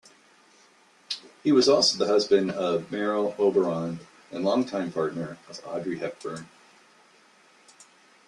He was also the husband of Merle Oberon and longtime partner of Audrey Hepburn.